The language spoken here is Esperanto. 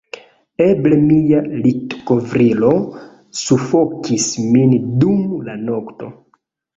Eble mia litkovrilo sufokis min dum la nokto...